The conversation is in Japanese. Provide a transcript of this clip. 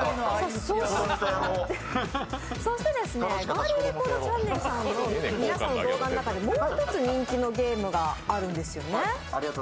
ガーリィレコードチャンネルの皆さんの動画の中でもう一つ、人気のゲームがあるんですよね。